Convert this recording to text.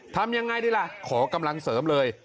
ทำยังไงดีล่ะขอกำลังเสริมเลย